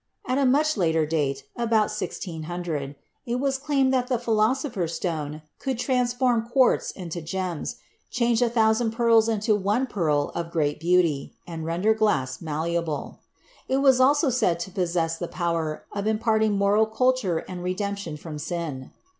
At a much later date (about 1600), it was claimed that the Philosopher's Stone could trans form quartz into gems, change a thousand pearls into one pearl of great beauty, and render glass malleable. It was also said to possess the power of imparting moral culture and redemption from sin.